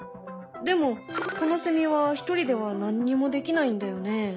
でもこのセミは一人では何にもできないんだよね。